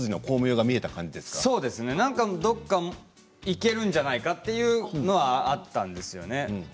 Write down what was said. どこかいけるんじゃないかというのはあったんですよね。